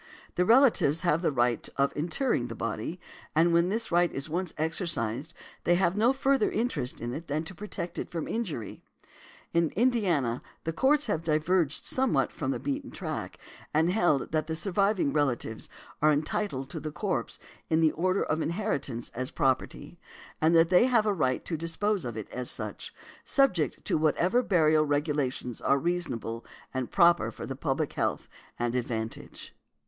The relatives have the right of interring the body, and when this right is once exercised they have no further interest in it than to protect it from injury . In Indiana, the Courts have diverged somewhat from the beaten track, and held that the surviving relatives are entitled to the corpse in the order of inheritance as property, and that they have a right to dispose of it as such, subject to whatever burial regulations are reasonable and proper for the public health and advantage .